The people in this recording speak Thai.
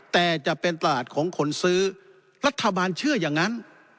แต่จะเป็นตลาดของคนซื้อรัฐบาลเชื่ออย่างนั้น